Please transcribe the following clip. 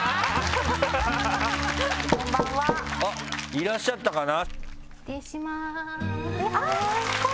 いらっしゃったかな？